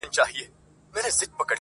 چې تـا ویني وایـی ځان تــرې ځـاروه